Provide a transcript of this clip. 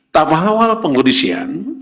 tapa hawal pengkondisian